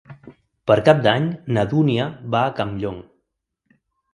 Per Cap d'Any na Dúnia va a Campllong.